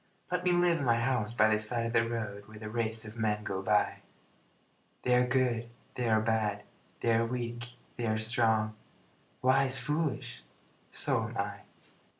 Let me live in my house by the side of the road, Where the race of men go by They are good, they are bad, they are weak, they are strong, Wise, foolish so am I.